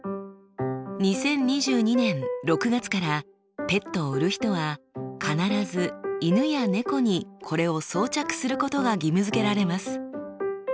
２０２２年６月からペットを売る人は必ず犬や猫にこれを装着することが義務付けられます。